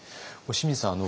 清水さん